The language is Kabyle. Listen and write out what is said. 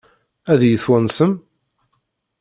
Ad iyi-twansem?